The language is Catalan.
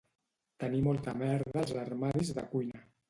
Tenir molta merda als armaris de cuina